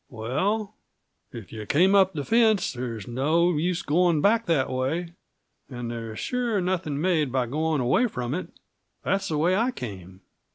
"Well, if you came up the fence, there's no use going back that way; and there's sure nothing made by going away from it. that's the way I came.